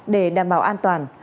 để đảm bảo an toàn